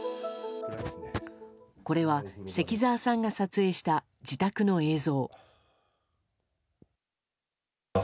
これは、関澤さんが撮影した自宅の映像。